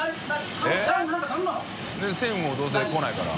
叩専務もどうせ来ないから。